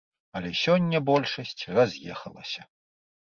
Але сёння большасць раз'ехалася.